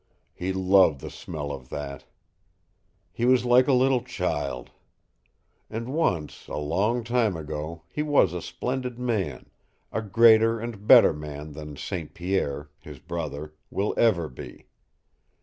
He loved the smell of that. He was like a little child. And once a long time ago he was a splendid man, a greater and better man than St. Pierre, his brother, will ever be.